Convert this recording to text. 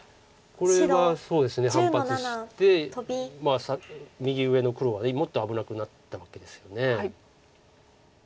これはそうですね反発して右上の黒はもっと危なくなったわけですよね。